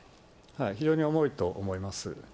非常に重いと思います。